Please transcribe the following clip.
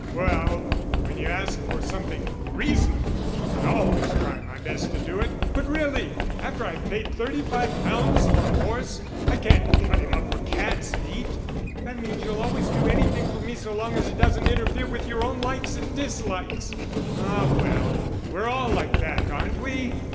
"Well, when you ask for something reasonable, I always try my best to do it but really, after I've paid thirty five pounds for a horse, I can't cut him up for cat's meat." "That means you'll always do anything for me so long as it doesn't interfere with your own likes and dislikes." "Ah, well, we're all like that, aren't we?...